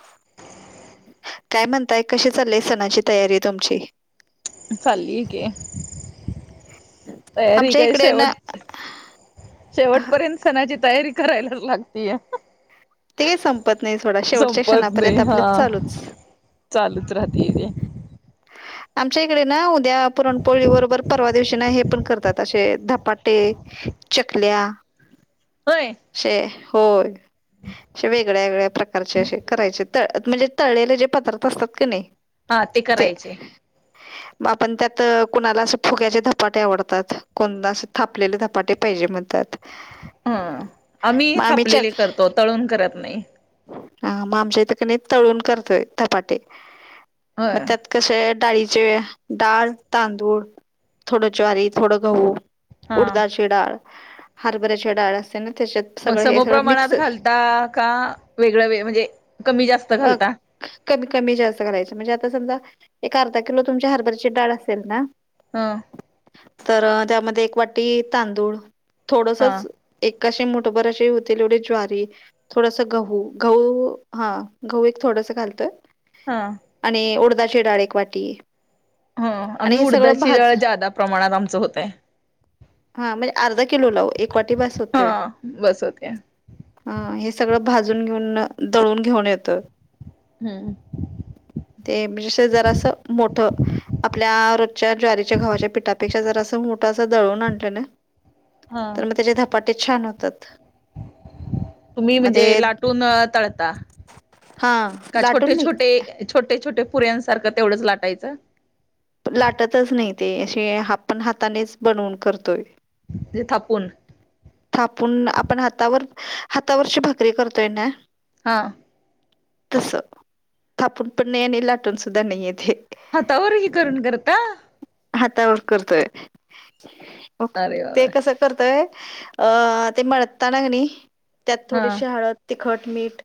[inaudible] काय म्हणताय कशी चाललीय सणाची तयारी तुमची. चालली आहे की. तयारी आमच्या काय इकडे ना शेवट शेवटपर्यंत सणाची तयारी करायलाच लागतीया. ते काही संपत नाही सोडा. शेवटच्या संपत नाही क्षणापर्यंत आपल हा चालूच. चालूच राहते इथे. आमच्या इकडे ना उद्या पुरणपोळी बरोबर परवा दिवशी ना हे पण करतात. असे धपाटे चकल्या होय असे होये. असे वेगळ्या वेगळ्या प्रकारचे असे करायचे. तळ म्हणजे, तळलेले जे पदार्थ असतात का नाही हा ते करायचे. [inaudible] मग आपण त्यात कुणाला अस फुग्याचे धपाटे आवडतात. कोणाला असे थापलेले धपाटे पाहिजे म्हणतात. ह आम्ही थापलेले करतो. तळून करत नाही. हा, मग आमच्या इथ की नाही तळून करतोय धपाटे. होय मग त्यात कसे डाळीचे, डाळ, तांदूळ, थोडं ज्वारी, थोडं गहू हा उडदाची डाळ, हरभऱ्याची डाळ असते ना त्येच्यात मग समप्रमाणात घालता का वेगळ वे म्हणजे कमी जास्त घालता [unintelligible] कमी कमी जास्त करायचं, म्हणजे आता समजा एक अर्धा किलो तुमच्या हरभरची डाळ असेल ना. हा तर त्यामध्ये एक वाटी तांदूळ हां थोडसच एका अशी मूठभर अशे होतील एवढी ज्वारी, थोडासा गहू गहू, हा गहू एक थोडस घालत्यात. हा आणि उडदाची डाळ एक वाटी ह, आणि आम्ही हे सगळं उडदाची भाज डाळ ज्यादा प्रमाणात आमचं होतयं. हा म्हणजे अर्धा किलोला वो एक वाटी बास होतयं हा बस होते ह हे सगळं भाजून घेऊन, दळून घेऊन येतं हम् ते मिष जरासं मोठं आपल्या रोजच्या ज्वारीच्या गव्हाच्या पिठापेक्षा जरासं मोठं अस दळवून आणलेलं. हा तर मग त्याचे धपाटे छान होतात. तुम्ही मग ते म्हणजे लाटून तळता? हा का छोटे, लाटून नाही छोटे, छोटे, छोटे पुऱ्यांसारखं तेवढंच लाटायचं? लाटतच नाही ते, अशे आपण हातानेच बनवून करतोय जे थापून थापून आपण हातावर, हातावरची भाकरी करतोय ना. हां तस थांपून पण नाही आणि लाटून सुद्धा नाहीय ते हातावर ही करून करत. हातावर करतोय अरे ते बाबा कस करतोय ते मळताना कणी त्यात हा थोडीशी हळद तिखट मीठ,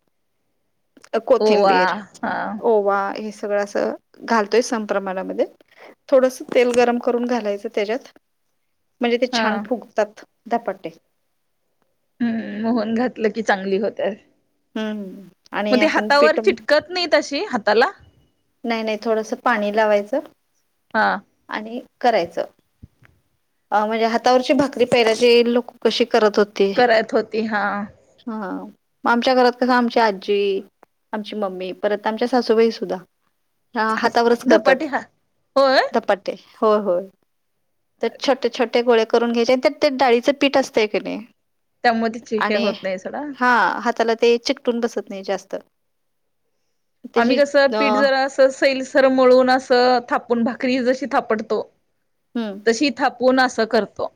ओवा कोथिंबीर हा ओवा हे सगळं असं घालतोय समप्रमाणामध्ये थोडस तेल गरम करून घालायचं त्येज्यात, म्हणजे ते हा छान फुग तत धपाटे हम्म, मोहन घातलं की चांगली होतंय हम् आणि आपण पिठ चिटकत नाही तशी हाताला नाही, नाही थोडसं पाणी लावायचं हा आणि करायचं. अ म्हणजे हातावरची भाकरी पाहिल्याची लोक कशी करत होते करत होती हा. हा मग आमच्या घरात कसं, आमची आजी आमची मम्मी, परत आमच्या सासूबाईसुद्धा ह हात हातावरच धपाटी करतात हा होय धपाट ते हो होय तर छोटे छोटे गोळे करून घ्यायच आणी त्यात ते डाळीचं पीठ असतेय कणी त्यामुळे तिची हे आणि, होत नाही सोडा हा हाताला ते चिकटून बसत नाही जास्त. आम्ही त्याची कसं, अ पीठ हम्म जरा अस सैलसर मळून असं, थापून भाकरी जशी थापडतो. तशी थापून असं करतो.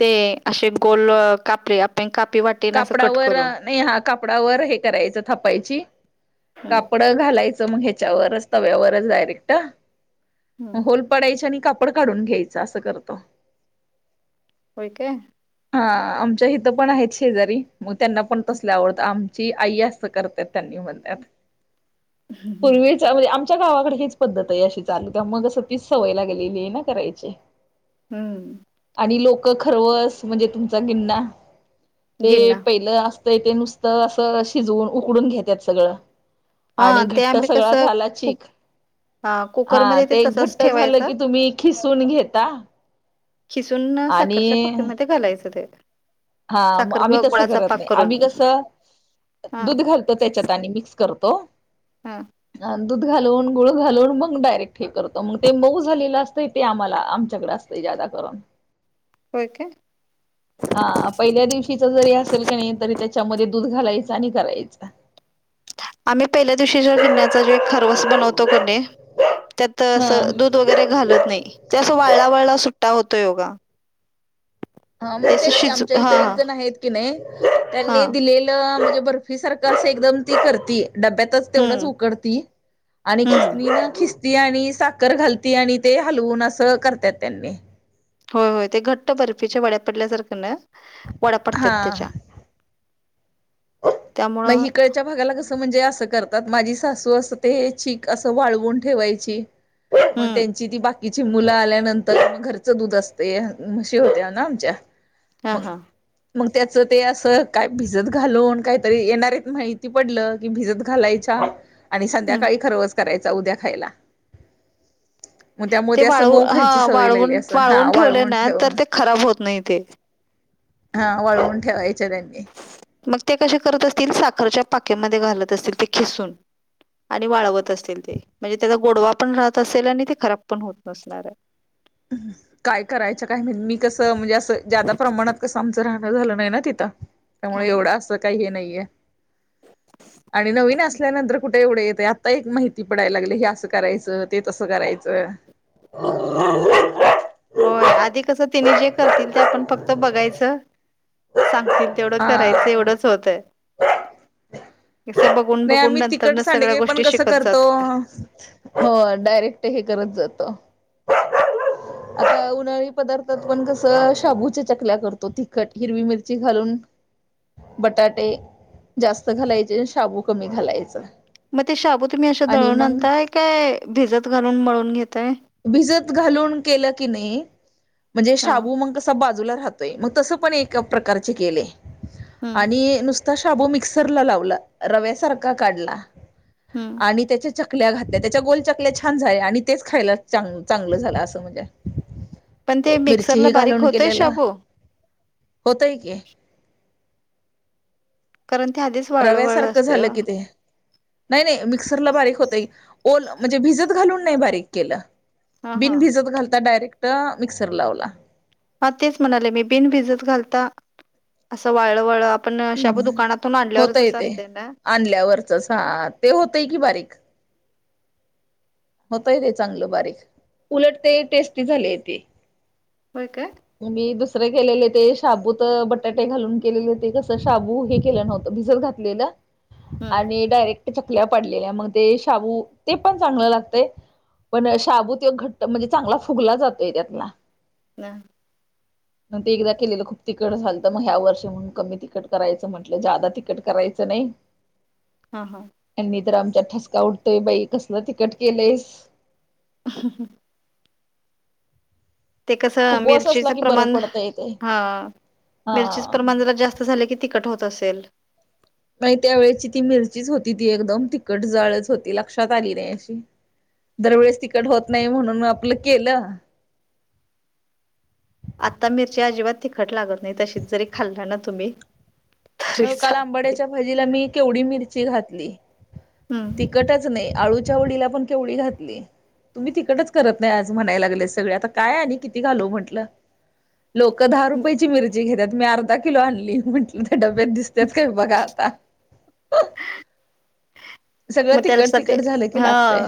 ते, असे गोल कापे आपण कापे वाट कापडावर, नाही हा कापडावर हे करायचं, थापायची हम्म कापडं घालायचं तर मग ह्याच्या वारच तव्यावरच डायरेक्ट हम्म होल पडायच आणि कापड काढून घ्यायचं, असं करतो. होय काय? हा, आमच्या इथं पण आहेच. शेजारी, मग त्यांना पण तसले आवडतात. आमची आई असं करतात, त्यांनी म्हणतात. पूर्वी म्हणजे, आमच्या गावाकडे हेच पद्धत आहे, अशी चालू त्या मग अस तच सवयला गेलेली आहे ना करायची. हम्म. आणि लोकं खरवस म्हणजे, तुमचा गिन्ना. ते गिरणा पहिलं असतं ते नुसतं असं, शिजवून उकडून घेतात सगळं. हा आणि ते घट्ट आम्ही सगळा कसं झाला कुक चिक, हा कुकरमध्ये ते तसच घट्ट झालं ठेवायचं की तुम्ही. खिसून घेता. खिसून साखरच्या आणि पक्कमध्ये घालायचं ते. हा मग साखर आम्ही किंवा तसं गुळाचा करत पाक नाही. आम्ही करून कसं, हा दूध घालतो त्याच्यात आणि मिक्स करतो. हा. दूध घालून, गुळ घालून मग डायरेक्ट हे करतो, मग ते मऊ झालेलं असतं ते आम्हाला आमच्याकडे अस ते ज्यादा करून. होय काय? हा. पहिल्या दिवशीच जरी असेल कणी तरी त्याच्यामध्ये दूध घालायचं आणि करायचं. आम्ही पहिल्या दिवशीच्या गिन्याचा जो एक खरवस बनवतो कणी त्यात हा असं दूध वगैरे घालत नाही. त्यो अस वाळला, वाळला सुट्टा होतोय बघा. हा म तेच की आमच्या इथ एक जण आहेत की नाही, त्यांनी हां दिलेली म्हणजे, बर्फी सारखं एकदम ती [unintelligible] डब्यात तेवढच हम्म उकडती आणि हम्म खिसणीनं खिसती. ती आणि साखर घालती आणि ते हलवून असं करतात त्यांनी. होय होय ते घट्ट बर्फीच्या वड्या पडल्यासारख्या ना, वड्या पडतात हा त्याच्या. त्यामुळं मग हिकडच्या? भागाला कसं म्हणजे, असं करतात माझी सासू असं ते चीक असं वाळवून ठेवायची. मग हम्म त्यांची ती बाकी तीची मुलं आल्यानंतर म घरचं दूध असतय म्हशी होते ना आमच्या. हा. मग हा. मग त्याचं ते, असं काय भिजत घालून काय. तरी येणार माहिती पडलं, की भिजत घालायच्या आणि हम्म संध्याकाळी खरवस करायचा उद्या खायला. मग त्यामुळे ते असं वाळवू मऊ खायची हां सवय लागली वाळवून असं हा वाळवून ठेवले ना, तर ठेवून ते खराब होत नाही ते. [inaudible] हा वाळवून ठेवायचे त्यांनी. मग ते कसे करत असतील? साखरच्या पाकेमध्ये घालत असतील ते खिसून. आणि वाळवत असतील ते. म्हणजे त्याचा गोडवा पण राहत असेल आणि ते खराब पण होत नसणार ए. हं. काय करायचं काय म्हण मी कसं म्हणजे असं ज्यादा प्रमाणात कसं आमचं राहणं झालं नाही ना तिथं. त्यामुळे हां हां. एवढं असं काही हे नाहीये. आणि नवीन असल्यानंतर कुठे एवढं येतं. आत्ता एक माहिती पडायला लागलय. हे असं करायचं ते तसं करायचं. होय. आधी कसं तिने जे करतील ते आपण फक्त बघायचं. सांगतील तेवढं करायचं हा एवढंच होतय. तीच बघून. नाही बघून आम्ही तिकट नंतरन सगळ्या सांडगे पण गोष्टी कसं शिकत करतो? जातोय. हो. डायरेक्ट हे करत जातो. आता उन्हाळी पदार्थात पण कसं शाबूच्या चकल्या करतो तिखट. हिरवी मिरची घालून. बटाटे जास्त घालायचे शाबू- कमी घालायचा. मग ते शाबू तुम्ही असं आणि दळून मग आणताय काय भिजत घालून मळून घेताय? भिजत घालून केलं की नाही म्हणजे हा शाबू म कस. बाजूला राहतोय. म तस पण एक प्रकारचे केले हम्म आणि- तो शाबू मिक्सरला लावला रव्यासारखा काढला हम्म आणि त्याच्या- चकल्या घातल्या. त्याच्या गोल चकल्या छान झाल्या. आणि तेच खायला चां चांगलं झालं असं म्हणजे. पण ते मिरची मिक्सरला ह बारीक घालून होतय केलेलं. शाबू? होतय की. कारण ते [unintelligible] रव्यासारखं असतंय ओ झालं कि ते. नाही नाही मिक्सरला बारीक होतय. ओल म्हणजे भिजत घालून नाही बारीक केलं. हा हा बिन भिजत घालता डायरेक्ट मिक्सर लावला. हां. तेच म्हणायले मी. बिन भिजत घालता असं वाळ वळ- आपण शाबू हम्म. दुकानातून आणल्यावर होतय जसं ते असतय ना? आणल्यावरचच. हां. ते होतंय की बारीक. होतय ते चांगलं बारीक. उलट ते टेस्टी झालेयेती. होय का? म मी दुसरे केलेले ते शाबूत बटाटे घालून केलेले होते कसं शाबू हे केलं नव्हतं भिजत घात- -टलेलं. हम्म आणि डायरेक्ट चकल्या पाडलेल्या मग ते शाबू ते पण चांगलं लागत. पण शाबू त्यो घट्ट म्हणजे चांगला फुगला जातोय त्यातला. ना. म ते एकदा केलेलं खूप तिकट झालंत. मग ह्या वर्षी म्हणून कमी तिकट करायचं म्हंटलं. जादा तिकट करायचं नाही. हा. हा. त्यांनी तर आमच्यात ठसका उठतोय बाई. कसलं तिकट केलंय. [inaudible] ते कसं उपवास असला मिरचीचं की बरं प्रमाण पडतंय ते हा. मिरचीच हा. प्रमाण जरा जास्त झाल की तिखट होत असेल. नाही त्या वेळची ती मिरचीच होती ती एकदम तिखट जाळच होती. लक्षात आली नाही अशी. दरवेेळेस तिकट होत नाही म्हणून आपलं केलं. आता मिरची अजिबात तिखट लागत नाही. तशीच जरी खाल्ला ना तुम्ही- तरी हो काल चालते. आंबाड्याच्या भाजीला मी केवढी मिरची घातली. हम्म. तिकटच नाही, आळूच्या वडीला पण केवढी घातली. तुम्ही तिकटच करत नाही आज म्हणायला लागले सगळे आता काय आणि किती घालू म्हंटलं. लोकं दहा रुपयाेची मिरची घेतात मी अर्धा किलो आणली, म्हटलं त्या डब्यात दिसतेच काय बघा आता. सगळं मग तिकट त्यासाठी तिकट झालं की हा, लागतय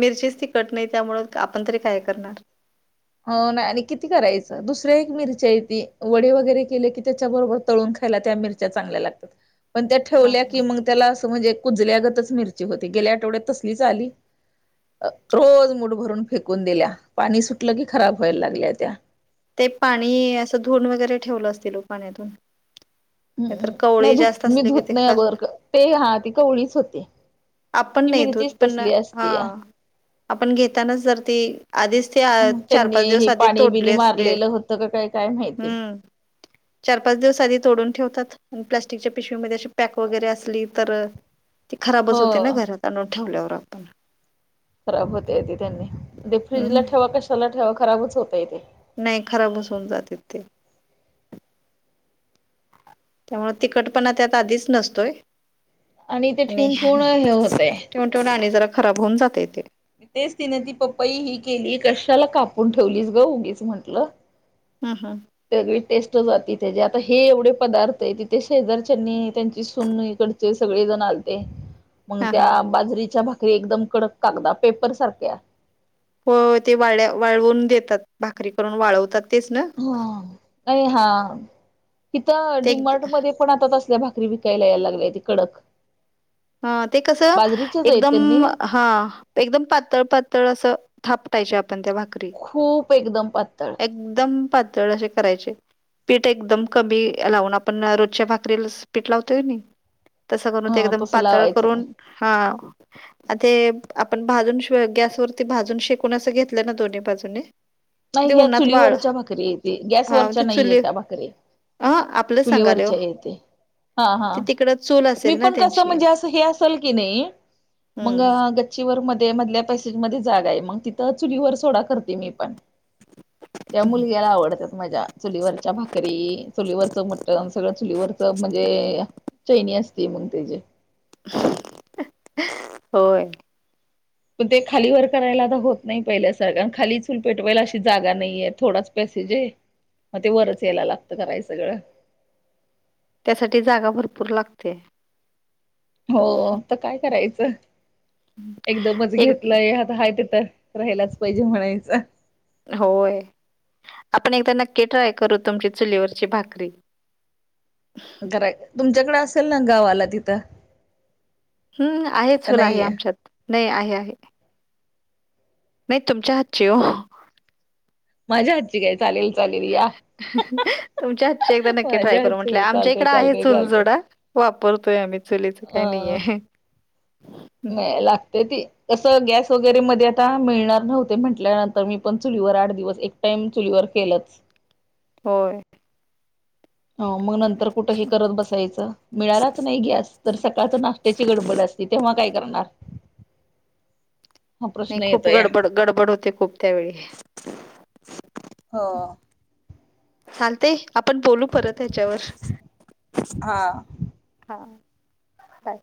मिरचीच तिखटं नाही त्यामुंळ आपण तरी काय करणार. हो नाही, आणि किती करायचं दुसऱ्या एक मिरची आहे ती वडे वगैरे केले की त्याच्या बरोबर तळून खायला त्या मिर च्या चांगल्या लाग [inaudible] पण त्या हा ठेवल्या की हा मग त्याला असं म्हणजे कुजल्यागतच मिरची होती गेल्या आठवड्यात तसलीच आली. रोज मुठ भरून फेकून दिल्या, पाणी सुटलं की खराब व्हायला लागल्या त्या. ते पाणी असं‌ धुवून वगैरे ठेवलं असतील वो पाण्यातून नाहीतर हम् नाही कवळी धूत जास्त मी असले की धूत ते नाही [unintelligible] ते हा ती कवळीच होती. आपण ती नाही धूत मिरचीच पण, तसली असती या हा. आपण घेतानाच जर ती आधीच ती आ चार-पाच दिवस आधी तोडली अस लेलं होतं का काय, काय माहिती? चार-पाच दिवस आधी तोडून ठेवतात. प्लास्टिकच्या पिशवीमध्ये अशी पॅक वगैरे असली तर ती हो खराबच होती ना घरात आणून ठेवल्यावर आपण. खराब होतय ते त्यांनी, ते फ्रीजला हम्म ठेवा कशाला ठेवा खराबच होतय तेे. नाही खराबच होऊन जाते ते. त्यामुळं तिकट पणा त्यात आधीच नसतोय ते आणि ठेवून ठेवून हे होतय ठेवून आणि जरा खराब होऊन जाते तेे. तेच तिने ती पप्पाई ही केली कशाला कापून ठेवलीस ग उगीच म्हटलं. हम हम. सगळी टेस्ट जाती त्याची, आता हे एवढे पदार्थ तिथे शेजारच्यानी त्यांची सून इकडं ते सगळेजण आलते. [inaudible] म्हणून त्या बाजरीच्या भाकरी एकदम कडक कागदा पेपर सारख्या हो ते वाळ्या, वाळवून देतात भाकरी करून वाळवतात तेच ना. हम आणि हा तिथं ते डिमार्ट मध्ये पण आता तसल्या भाकरी विकायला यायला लागल्याती कडक. हा ते कसं, बाजरीच्याच आहेत त्यांनी एकदम हा. एकदम पातळ-पातळ असं थापटायच्या आपण त्या भाक खूप एकदम पात्तळ. एकदम पातळ असे करायचे. पीठ एकदम कमी लावून आपण रोजच्या भाकरीला स. पीठ लावतोय कणी. तसं करून ते ह एकदम तसं पातळ लावायचं नाही करून, हा. आता ये आपण भाजून श गॅसवरती भाजून शेकून असं घेतलं ना दोन्ही बाजूनी. [inaudible] नाही ह्या चुलीवरच्या भाकरी येते हा गॅसवरच्या ते नाही येत चुली त्या भाकरी. ह आपलं सांगाले हो चुलीवरच्या येते हा हा, ते तिकड चूल मी असेल ना पण कसं त्यांची म्हणजे असं हे असं. [unintelligible] नाही मंग हम्म गच्चीवर मध्ये मधल्या पॅसेज मध्ये जागा आहे मग तिथं चुलीवर सोडा करते मी पण. त्या मुलग्याला आवडतात माझ्या. चुलीवरच्या भाकरी, चुलीवरचं मटण सगळं चुलीवरच म्हणजे चैनी असते मग त्याचीे होय पण ते खाली वर करायला आता होत नाही पहिल्या सारखं आणि खाली चूल पेटवायला अशी जागा नाहीये थोडाच पॅसेज हाय म ते वरच यायला लागत कराय सगळं त्यासाठी जागा भरपूर लागते हो आता काय करायचं एकदमच एक घेतलं यात ते हाय तिथं राहिलाच पाहिजे म्हणायचं होय आपण एकदा नक्की ट्राय करू तुमची चुलीवरची भाकरी [inaudible] करायच तुमच्याकड असेल ना गावाला तिथं हू आहे का चूल आहे नाहीये आमच्यात नाही आहे आहे नाही तुमच्या हातची ओ माझ्या हातची काय चालेल चालेल या तुमच्या हातची एकदा नक्की ट्राय माझ्या करू हातची म्हटलं काय आमच्या चालतय इकडे आहे चालतय चूल चालतय सोडा वापरतोय आम्ही चुलीच काय अ नाहीे हाय नाही लागत्या ती कसं गॅस वगैरे मध्ये आता मिळणार नव्हते म्हटल्यानंतर मी पण चुलीवर आठ दिवस एक टाईम चुलीवर केलंच होय हो मग नंतर कुठ हे करत बसायचं मिळालाच नाही गॅस तर सकाळचा नाष्ट्याची गडबड असते तेव्हा काय करणार [inaudible] हा नाही प्रश्न खूप येतो या गडबड गडबड होते खूप त्यावेळी हो चालतय आपण बोलू परत ह्याच्यावर हा हा बाय